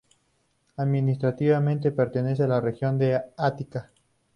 Administrativamente, pertenece a la región del Ática.